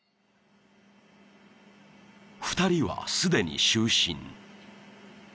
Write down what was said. ［２人はすでに就寝］